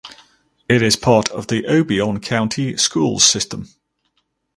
It is part of the Obion County Schools system.